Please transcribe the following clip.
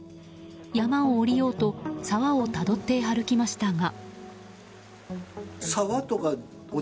山を下りようと沢をたどって歩きましたが。